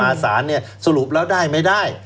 สารเนี่ยสรุปแล้วได้ไม่ได้